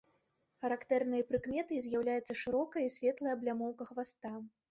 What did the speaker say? Характэрнай прыкметай з'яўляецца шырокая і светлая аблямоўка хваста.